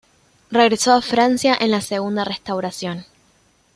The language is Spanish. Regresó a Francia en la segunda restauración.